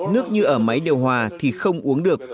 nước như ở máy điều hòa thì không uống được